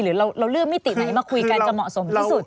หรือเราเลือกมิติไหนมาคุยกันจะเหมาะสมที่สุด